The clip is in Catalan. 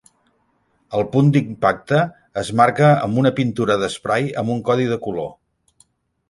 El punt d'impacte es marca amb una pintura d'esprai amb un codi de color.